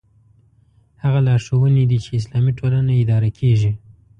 هغه لارښوونې دي چې اسلامي ټولنه اداره کېږي.